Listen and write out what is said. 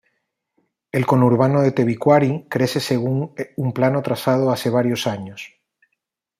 El conurbano de Tebicuary crece según un plano trazado hace varios años.